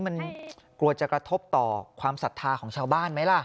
มันกลัวจะกระทบต่อความศรัทธาของชาวบ้านไหมล่ะ